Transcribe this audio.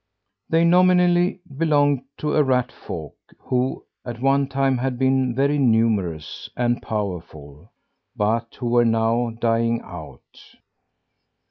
They nominally belong to a rat folk who, at one time, had been very numerous and powerful, but who were now dying out.